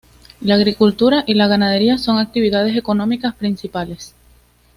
La agricultura y la ganadería son las actividades económicas principales.